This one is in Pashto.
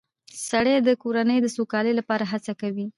سړی د کورنۍ د سوکالۍ لپاره هڅه کوي